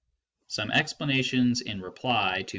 SOME EXPLANATIONS IN REPLY TO MR.